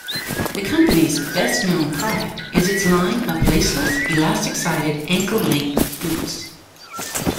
The company's best-known product is its line of laceless, elastic-sided, ankle-length boots.